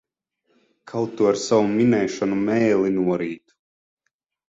Kaut tu ar savu minēšanu mēli norītu!